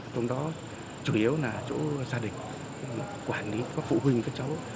trong đó chủ yếu là chỗ gia đình quản lý các phụ huynh các cháu